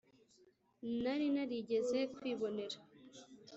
nari narigeze kwibonera.